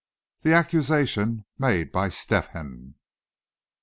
THE ACCUSATION MADE BY STEP HEN.